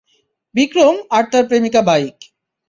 বিক্রম আর তার প্রেমিকা বাইক!